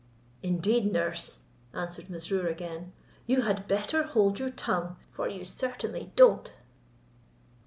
"Indeed, nurse," answered Mesrour again, "you had better hold your tongue, for you certainly doat."